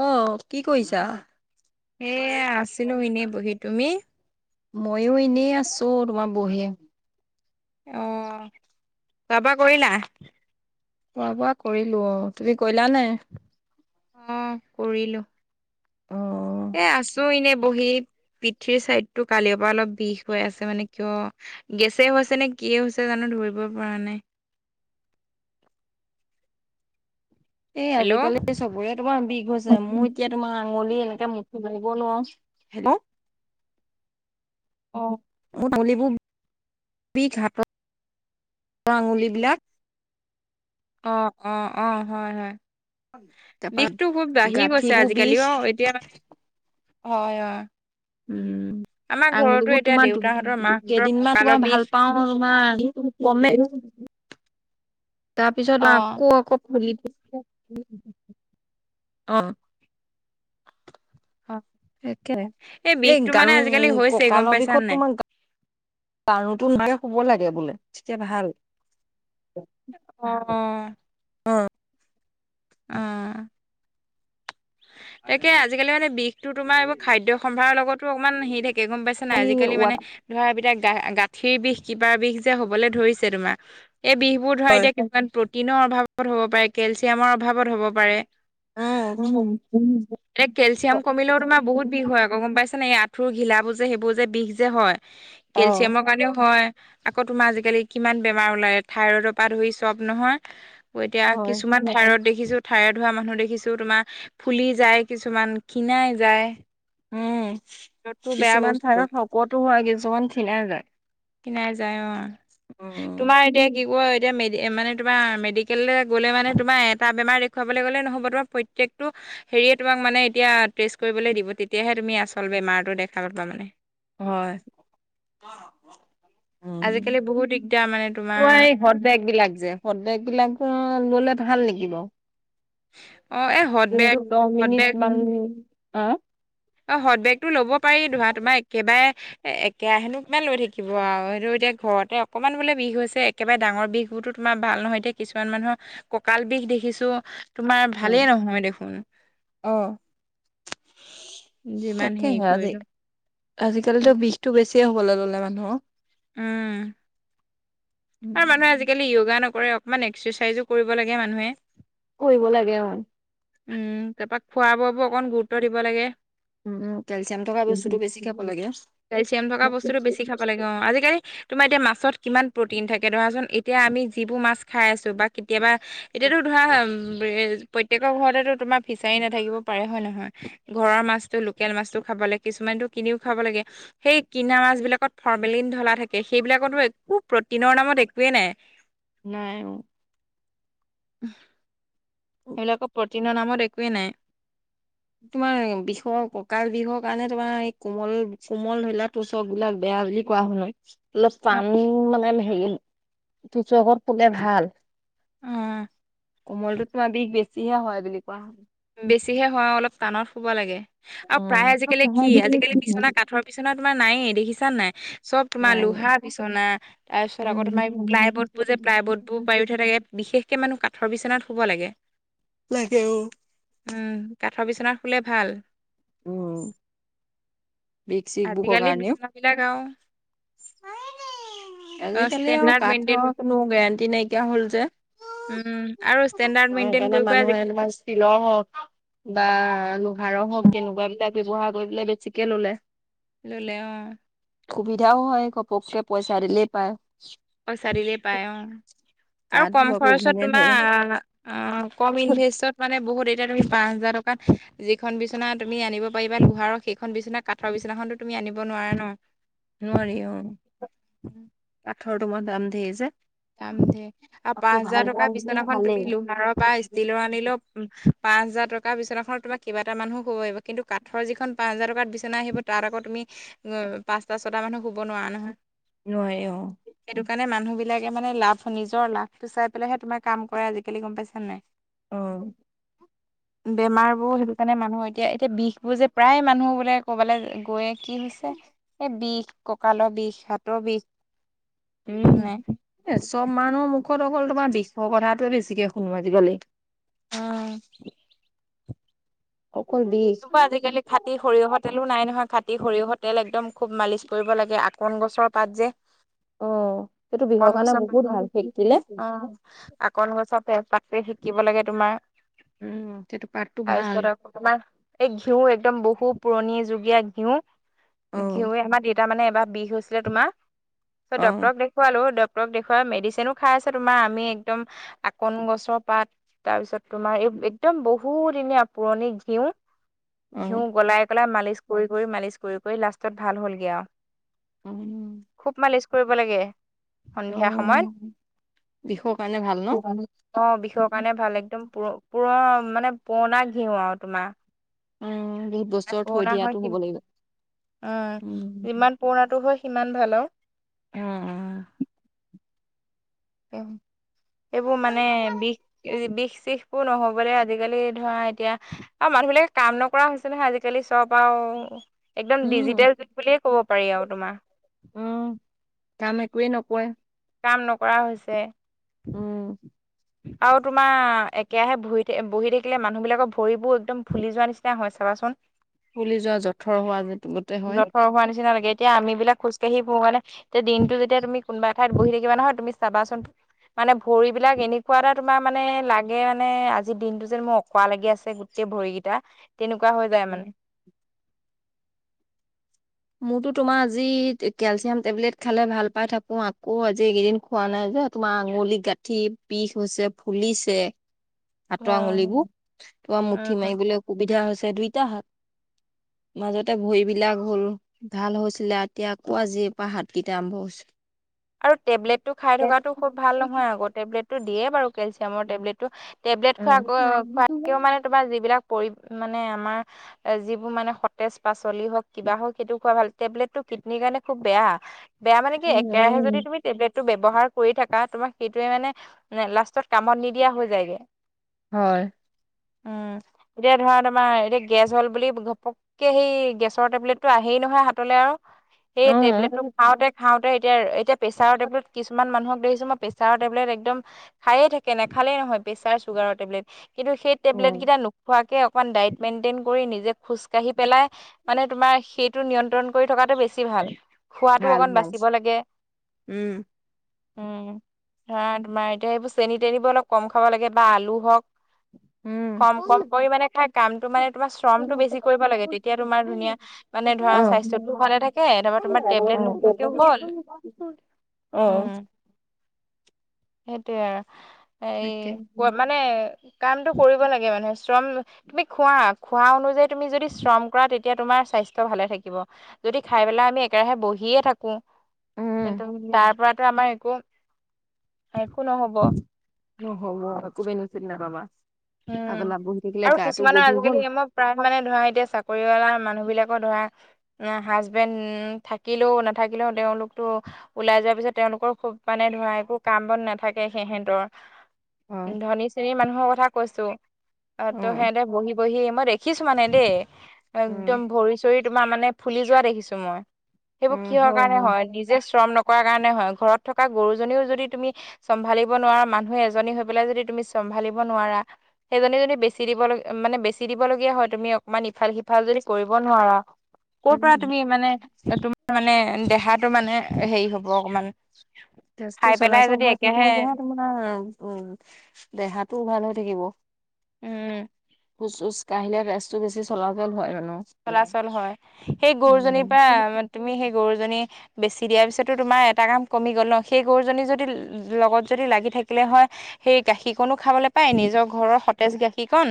আহ কি কৰিছা? এ আছিলো এনেই বহি তুমি। মইও এনেই আছো তোমাৰ বহি। আহ যাবা কৰিলা। খোৱা বোৱা কৰিলো অ তুমি কৰিলা নে। অ কৰিলো। অ', সেই। পিঠিৰ চাইডতটো কালিৰ পৰা অলপ বিষ হৈ আছে মানে কিয় গেছে হৈছে নে কি হৈছে জানো। ধৰিব পৰা নাই [inaudible] এই হেল্ল' আজিকালি চবৰে তোমাৰ বিষ হৈছে মোৰ এতিয়া তোমাৰ আঙুলি এ এয়া মুঠি মাৰিব নোৱাৰো হেনে। অঁ। আুলোৰ বিষ হ আঙুলিবিলাক। অঁ অঁ অঁ হয় হয়। তাৰপা বিষটো খুব বাঢ়ি গৈছে গাঁঠিবোৰ আজিকালি বিষ অ এতিয়া মানে। হয় অঁ। উম। আমাৰ। আঙুলিবোৰ তোমাৰ দেউতাহঁতৰ মাহঁতৰ কেইদিনমান কঁকালৰ তোমাৰ বিষ ভাল পাও তোমাৰ কম। [unintelligible] অ তাৰপিছত আকৌ আকৌ খুলি আহ। সেই কে এই বিষটো গাৰ মানে আজিকালি হৈছে গম ককালৰ পাইছা বিষত নাই তোমাৰ। কাৰোতো নহে শুব লাগে বোলে তেতিয়া ভাল। অঁ। আহঁ। [unintelligible] তাকে আজিকালি মানে বিষটো তোমাৰ এইবোৰ খাদ্য সম্ভাৰৰ লগতো অকণমান হেৰি থাকে গম পাইছা নাই আজিকালি মানে ধৰা সেই বিলাক গা গাঁঠিৰ বিষ কিবাৰ বিষ যে হবলৈ ধৰিছে তোমাৰ এই বিষ বোৰ ধৰা হয়। এতিয়া কিনুকা প্ৰ টিনৰ অভাৱত হ'ব পাৰে কেলচিয়ামৰ অভাৱত হ'ব পাৰে উম কেলচিয়াম কমিলেও তোমাৰ বহুত বিষ হয় আকৌ গম পাইছ ছা নে এই আঁঠুৰ ঘিলাবোৰ যে সেইবোৰ যে বিষ যে হয় অ কেলচিয়ামৰ কাৰণেও হয় আকৌ তোমাৰ আজিকালি কিমান বেমাৰ ওলায় থাইৰইডৰ পৰা ধৰি চব নহয় এতিয়া হয় কিছুমান থাইৰদ দেখিছো থাইৰদ হোৱা মানুহ দেখিছো তোমাৰ ফুলি যায় কিছুমান ক্ষিণাই যায় উম টো বেয়া কিছুমান বস্তু থাইৰদ শকতো হয় কিছুমান ক্ষিণাই যায় ক্ষিণাই যায় অঁ উম তোমাৰ এতিয়া কি ক' এতিয়া মেডি মানে তোমাৰ মেডিকেললৈ গ'লে মানে তোমাৰ এটা বেমাৰ দেখুৱাবলৈ গ'লে নহ'ব তোমাৰ প্ৰত্যেক তো হেৰিয়ে তোমাক মানে এতিয়া টেষ্ট কৰিব দিব তেতিয়াহে তুমি আচল বেমাৰ দেখা পাবা মানে হয়। উম আজিকালি বহুত দিগদাৰ মানে তোমাৰ এই হদ বেগ বিলাক যে হদ বেগ বিলাক অঁ ললে ভাল নিকি বাৰু অঁ এ হট বেগ হট বেগ অহঁ। অঁ হডবেগটো লব পাৰি ধৰা তোমাৰ একেবাৰে এক একেৰাহেনো কিমান লৈ থাকিব আৰু সেইটো এতিয়া ঘৰতে অকণমান বোলে বিষ হৈছে একেবাৰে ডাঙৰ বিষ বোৰতো তোমাৰ ভা ভাল নহয় এতিয়া কিছুমান মানুহৰ ককাল বিষ দেখিছো তোমাৰ অ ভালেই নহয় দেখোন যিমান তাকেই হেৰি হা আজি কৰিলো আজিকালিতো বিষটো বেছি সে হ'বলৈ ল'লে মানুহৰ উম। আৰু মানুহে আজিকালি য়োগা নকৰে অকমান এক্সাৰচাইজো কৰিব লাগে মানুহে কৰিব লাগে অ উম তাৰপৰা খোৱা বোৱাবোৰ অকণ গুৰুত্ব দিব লাগে উম উম কেলচিয়াম থকা উম বস্তুতটো বেছি খাব লাগে কেলচিয়াম থকা বস্তুটো বেছি খাব লাগে অ আজিকালি তোমাৰ এতিয়া মাছত কিমান প্ৰ'টিন থাকে ধৰাচোন এতিয়া আমি যিবোৰ মাছ খাই আছোঁ বা কেতিয়াবা এতিয়াতো নাই ধৰা প্ৰত্যয়েক চহৰ ঘৰতেতো তোমাৰ ফিচাৰী নাথাকিব পাৰে হয় নহয়। ঘৰৰ মাছটো লোকেল মাছটো খাবলে কিছুমানতটো কি কিনিও খাব লাগে সেই কিনা মাছ বিলাকত ফৰমেলিন ধলা থাকে সেইবিলাকতো একো প্ৰটিনৰ নামত একোৱেই নাই। নাই অ সেইবিলাকত প্ৰটিনৰ নামত একোৱেই নাই। তোমাৰ বিষৰ ককাল বিষৰ কাৰণে তোমাৰ এই কোমল কোমল ধৰিলা টোচক বিলাক বেয়া। বেয়া বুলি কোৱা শুনো। অলপ অ টান মানে হেৰি তুচকত শুলে ভাল। অ কোমলটো তোমাৰ বিষ বেছিহে হয় বুলি কোৱা শুনো বেছিহে হয় অলপ টানত শুব লাগে। আৰু প্ৰায় আজিকালি কি আজিকালি শুনো বিছনা কাঠৰ বিছনা তোমাৰ নাইয়ে দেখিছা নাই চব তোমাৰ লোহ নাই লোহা বিছনা তাৰপিছত আকৌ তোমাৰ প্লাই বৰ্ড বোৰ যে প্লাইবৰ্ডবোৰ পাৰি থোৱা থাকে বিশেষ কে মানুহ কাঠৰ বিচনাত শুব লাগে। লাগে অ। উম কাঠৰ বিচনা শুলে ভাল। উম বিষ চিক বোহৰ আজিকালি কাৰণেও। বিচনাবিলাক আৰু অ আজিকালি আৰু ষ্টেণ্ডাৰ্ড মেইনটেইন কাঠৰ কোনো গেৰাণ্টি নাইকিয়া হ'ল যে। উম। আৰু ষ্টেণ্ডাৰ্ড অ মেইনটেইন সেইকাৰণে কৰি কৰি মানুহে আজিকালি একোৱা ষ্টিলৰ হওঁক বা- ভাড় হওঁক তেনেকুৱা বিলাক ব্যৱহাৰ কৰিবলে বেছিকে ল'লে। ল'লে অ। সুবিধাও হয় ঘপককে পইচা দিলেই পায়। পইচা দিলে পায় অ আৰু কম কাঠবোৰ আকৌ খৰচত ঘূণে ধৰে তোমাৰ অ কম নোৱাৰি ইনভেইচত মানে বহু এতিয়া তুমি পাচ হাজাৰ টকাত যিখন বিচনা তুমি আনিব পাৰিবা লোহাৰৰ সেইখন বিচনা কাঠৰ বিচনাখন তো তুমি- আনিব নোৱাৰা ন। নোৱাৰি অ কাঠৰ তোমাৰ দাম ধেৰ যে। দাম ধেই আৰু পাঁচ আকৌ ভাল হাজাৰ কাঠ টকাৰ দিলে বিচনাখন ভালেই তুমি লোহাৰৰ বা ষ্টিলৰ আনিলে পাঁচ হাজাৰ টকাৰ বিচনাখনত তোমাক কেইবাটা মানুহ শুব পাৰিব কিন্ত কাটৰ যিখন পাঁচ হাজাৰ টকাৰ বিচনা আহিব তাৰ আকৌ তুমি পাঁচটা ছটা মানুহ শুব নোৱাৰ নহয়। নোৱাৰে অ সেইকাৰণে মানুহ বিলাকে মানে লাভ নিজৰ লাভটো চাই পেলাইহে তোমাৰ কাম কৰে আজিকালি গম পাইছা নাই। অ বেমাৰ বোৰ সেইটো কাৰণে ম মই এতিয়া এতিয়া বিষ বোৰ যে প্ৰায় মানুহ বোলে ক'বালে গৈয়ে কি হৈছে এই বিষ ককা ককালৰ বিষ সাতৰ বিষ। [inaudible] উম নাই। এ চব মানুহৰ মুখত অকল তোমাৰ বিশৰ কথাটোৱে বেছিকে শুনো আজিকালি। অ অকল বিষ এনেকুৱা আজিকালি খাটি সৰিয়হৰ তেলো নাই নহয়। খাটি সৰিয়হৰ তেল একদম খুব মালিচ কৰিব লাগে আকন গছৰ পাত যে অ সেইটো বিষৰ আকন কাৰণে গছৰ অ বহুত আৰু ভাল সেকিলে আকন গছৰ প শিকিব লাগে তোমাৰ উম সেইটো পাতটো ভাল তোমাৰ এই ঘিঁউ একদম বহু পুৰণি যুগীয়া ঘিঁউ অ ঘিউে আমাৰ। দেতাৰ মানে এবাৰ বিষ হৈছিলে তোমাৰ অ ডক্টৰক দেখুৱালোঁ ড ডক্টৰক দেখুৱাই মেডিচিনো খাই আছে তোমাৰ আমি একদম আকন গছৰ পাত তাৰপিছত তোমাৰ এই একদম বহু দিনীয়া পুৰণি ঘিঁউ। অ ঘিউ গলাই গলাই মালিচ কৰি কৰি মালিচ কৰি কৰি লাষ্টত ভাল হ'লগৈ আৰু। উম। খুব মালিচ কৰিব লাগে সন্ধিয়া সময়ত। অ বিষৰ কাৰণে ভাল ন? অ, বিষৰ কাৰণে ভাল। একদম প পুৰ মানে পুৰণা ঘিউ আৰু তোমাৰ। অ। ইমান পুৰণা হয় সি উম উম, যিমান পুৰণো হয় সিমান ইমান ভাল আৰু। অ, অ। এইেইবোৰ মানে বিষ বিষ শিখ বোৰ নহবলৈ আজিকালি ধৰা এতিয়া আৰু মানুহ বিলাকে কাম নকৰা হৈছে নহয় আজিকালি চব আৰু অ, একদম উম, ডিজিটেল যুগ বুলিয়ে কব পাৰি আৰু তোমাৰ। উম, কাম একোৱে নকয়। কাম নকৰা হৈছে। উম। আৰু তোমাৰ একোহে বহি বহি থাকিলে মানুহ বিলাকৰ ভৰিবোৰ একদম ফুলি যোৱা নিচিনা হয় চাবাচোন। ফুলি যোৱা জঠৰ হোৱা গোটেই হয়। জঠৰ হোৱা নিচিনা এতিয়া আমি বিলাক খোজকাঢ়ি ফুৰো কাৰণে এতিয়া দিনটো যেতিয়া তুমি কোনোবা ঠাই বহি থাকিবা নহয় তুমি চাবাচোন। মানে ভৰিবলাক এনেক খোৱা এটা তোমাৰ মানে লাগে মানে আজিৰ দিনটো যেন মোৰ অকৰা লাগি আছে গোটেই ভৰিকেইটা। তেনেকুৱা হৈ যায় মানে। মোৰতো তোমাৰ আজি কেলচিয়াম টেবলেট খালে ভাল পাই থাকো আকৌ আজি এইকেইদিন খোৱা নাই। তোমাৰ আঙুলি, গাঁঠি বিষ হৈছে ফুলিছে। হাতৰ উম আঙুলিবোৰ তোমাৰ মুঠি উম মাৰিবলৈ অসুবিধা হৈছে। দুইটা হাত, মাজতে ভৰি বিলাক হ'ল। ভাল হৈছিলে এতিয়া আকৌ আজিৰ পৰা হাতকেইটা আৰম্ভ হৈছো। আৰু টেবলেটটো খাই থকাটো খুব ভাল নহয় আকৌ। টেবলেটটো দিয়ে বাৰু কেলচিয়ামৰ টেবলেটটো। টেবলেট হয় খোৱা খোৱাকেও মানে তোমাৰ যিবিলাক পৰি মানে আমাৰ যিবোৰ মানে সতেজ পাচলি হওক কিবা হওক সেইটো খোৱা ভাল। টেবলেটটো কিডনীৰ কাৰণে খুব বেয়া। বেয়া মানে কি একেৰাহে যদি তুমি টেবলেট ব্যৱহাৰ কৰি থাককা তোমাক সেইটোৱে মানে লাষ্টত কামত নিদিয়া হৈ যায়গে। হয়। উম, এতিয়া ধৰা তোমাৰ এতিয়া গেছ হ'ল বুলি ঘপককে সেই গেছৰ টেবলেটটো আহি এই নহয় হাতলৈ আৰু। সেই অ'। টেবলেটটো খাওঁতে খাওঁতে এতিয়া এতিয়া প্ৰেছাৰৰ টেবলেত কিছুমান মানুহক দেখিছোঁ মই প্ৰেছাৰৰ টেবলেট একদম খায়ে থাকে নেখালেই নহয় প্ৰেছাৰ চুগাৰৰ টেবলেট। কিন্তু, সেই অ', টেবলেট কেইটা নোখোৱাকে অকণমান ডায়েট মেইনটেইন কৰি নিজে খোজকাঢ়ি পেলাই মানে তোমাৰ সেইটো নিয়ন্ত্ৰণ কৰি থকাটো বেছি ভাল। খোৱাটো ভাল অকণ ভাল বাচিব লাগে উম। উম, ধৰা তোমাৰ এতিয়া সেইবোৰ চেনী তেনিবোৰ অলপ কম খাব লাগে বা আলু হওক। কম কম কৰি মানে খাই কামটো মানে তোমাৰ শ্ৰমতটো বেছি কৰিব লাগে। তেতিয়া তোমাৰ ধুনীয়া মানে ধৰা স্বাস্থ্যটোও ভালে থাকে ধা তোমাৰ টেবলেট হ'ল আহ। উম সেইটোয়ে আৰু এই তাকে ক মানে কামটো কৰিব লাগে মানুহে। তুমি খোৱা খোৱা অনুযায়ী তুমি যদি শ্ৰম কৰা তেতিয়া তোমাৰ স্বাস্থ্য ভালে থাকিব। যদি খাই পেলাই আমি একেৰাহে বহিয়ে থাকো। এক উম, তাৰ পৰাতো আমাৰ একো একো নহব অ, হ কুবেত চিত নাপাবা খাই উম, পেলাই বহি থাকিলে আৰু গাটো কিছুমানৰ গধুৰ হ'ল আজিকালি মই প্ৰায় মানে ধৰা এতিয়া চাকৰিয়ালা মানুহ বিলাক ৰ ধৰা হাচবেন থাকিলেও নাথাকিলে ও তেওঁলোকতো ওলাই য পিছত তেওঁলোকৰ খুব মানে ধৰা একো কাম বন নাথাকে হেহেঁতৰ। হয় ধনী শ্ৰেণীৰ মানুহৰ কথা কৈছো, আহ ত' অ'। হেয়েতে বহি বহি মই দেখিছো মানে দেই উম একদম ভৰি চৰি তোমাৰ মানে ফুলি যোৱা দেখিছো মই। সেইবোৰ কিহৰ কাৰণে হয় নিজে শ্ৰম নকৰৰা কাৰণে নে হয়, ঘৰত থকা গৰুজনীও যদি তুমি চম্ভালিব নোৱাৰা মানুহে এজনী হৈ পেলাই যদি তুমি চম্ভালিব নোৱাৰা সেইজনী যদি বেছি দিব মানে বেছি দিব লগীয়া হয়, তুমি অকমান ইফাল সিফাল যদি কৰিব নোৱাৰা। ক'ৰ পৰা উম। তুমি মানে তোমাৰ মানে দেহাটো মানে হেৰি হব অকমান। তেজটো খাই পেলাই চলাচল যদি হৈ একেৰাহে থাকিলে তোমাৰ উম দেহাটোও ভাল হৈ থাকিব। উম। খোজ চোজ কাঢ়িলে তেজটো বেছি চলাচল হয়। চলাচল হয় সেই গৰুজনীৰ উম। পৰা তুমি সেই গৰুজনী বেছি দিয়াআছে তোমাৰ এটা কাম কমি গ'ল ন, সেই গৰুজনী যদি লগত যদি লাগি থাকিলে হয় সেই গাখীৰকণো খাবলৈ পাই, নিজৰ ঘৰৰ সতেজ গাখীৰ কি কন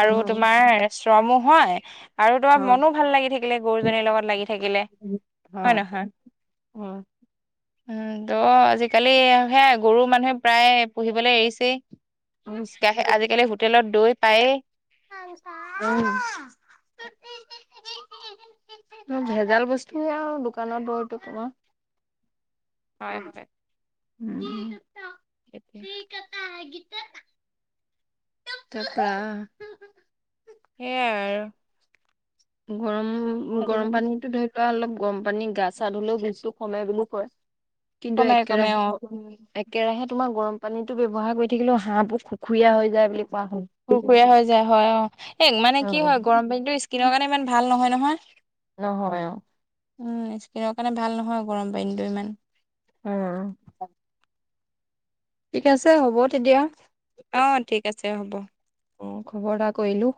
আৰু উম। তোমাৰ শ্ৰমো হয় আৰু তোমাৰ হয় মনো ভাল লাগি থাকি লে গৰুজনীৰ লগত লাগি থাকিলে হয় নহয়? হয় উম ত আজিকালি সেয়া গৰু মানুহে প্ৰায় পুহিবলৈ এৰিছেই। উম গাহ আজিকালি হোটেলত দৈ পায়েই। উম। ভেজাল বস্তুেহে আৰু দোকানত দই টো তোমাৰ। হয় হয়। উম এতিয়া তাপা সেইয়াই আৰু। গৰম সেইটো গৰম কাৰণে পানীতো ধৰিলোৱা অলপ গৰম পানী গা চা ধুললেও বিষটো কমে বুলি কয়, কিন্তু কমে একে কমে অ ৰাহে এক কে ৰাহে তোমাৰ গৰম পানীতো ব্যৱহাৰ কৰি থাকিলেও হাঁহবোৰ খুখুৰীয়া হৈ যায় বুলি কোৱা শুনো খুৰখুুৰীয়া হৈ যায় হয় অ, এ মানে কি হয় গৰম পানীটো স্কিনৰ কাৰণে ইমান ভাল নহয় নহয়। নহয় অ উম স্কিনৰ কাৰণে ভাল নহয় গৰম পানীটো ইমান। উম ঠিক আছে হ'ব তেতিয়া। অ ঠিক আছে হ'ব। অ খবৰ এটা কৰিলো।